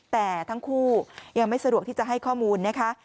แต่ทั้งคู่ยังไม่สะดวกที่จะให้ข้อมูลนะคะ